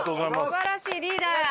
素晴らしいリーダーや！